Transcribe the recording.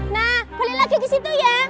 nah boleh lagi ke situ ya